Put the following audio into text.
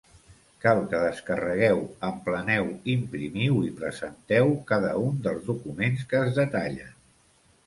Cal que descarregueu, empleneu, imprimiu i presenteu cada un dels documents que es detallen.